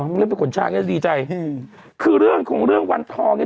มันเล่นไปขนช้างเนี้ยดีใจอืมคือเรื่องของเรื่องวันทองเนี้ย